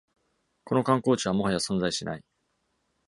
この観光地はもはや存在しない。